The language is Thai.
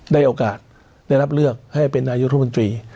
ได้โอกาสได้รับเลือกให้เป็นนายุทธมนตรี